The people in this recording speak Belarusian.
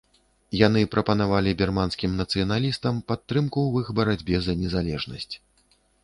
Яны прапанавалі бірманскім нацыяналістам падтрымку ў іх барацьбе за незалежнасць.